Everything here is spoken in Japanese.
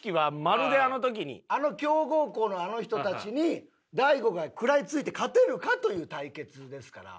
あの強豪校のあの人たちに大悟が食らいついて勝てるか？という対決ですから。